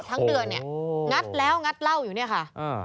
ทั้งเดือนงัดแล้วงัดเล่าอยู่นี่ค่ะ